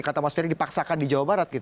kata mas ferry dipaksakan di jawa barat